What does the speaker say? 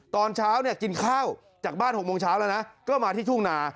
ตอนเช้าเนี่ยกินข้าวจากบ้าน๖โมงเช้าแล้วนะก็มาที่ทุ่งนา